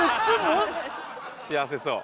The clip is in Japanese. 幸せそう。